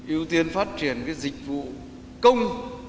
ưu tiên phát triển dịch vụ công